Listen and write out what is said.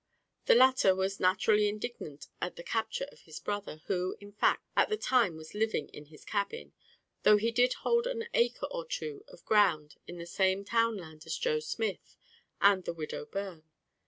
The latter was naturally indignant at the capture of his brother, who, in fact, at the time was living in his cabin, though he did hold an acre or two of ground in the same town land as Joe Smith and the widow Byrne.